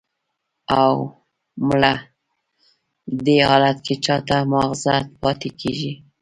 "اوه، مړه! دې حالت کې چا ته ماغزه پاتې کېږي!"